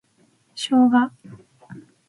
ショウガ